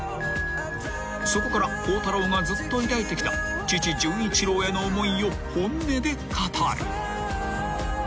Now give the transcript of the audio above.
［そこから孝太郎がずっと抱いてきた父純一郎への思いを本音で語る］